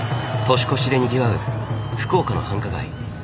年越しでにぎわう福岡の繁華街。